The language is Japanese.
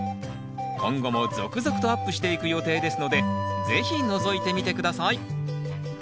今後も続々とアップしていく予定ですので是非のぞいてみて下さい！